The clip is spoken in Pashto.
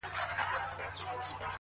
زما کور ته چي راسي زه پر کور يمه!